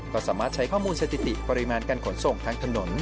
ก็สามารถใช้ข้อมูลสถิติปริมาณการขนส่งทางถนน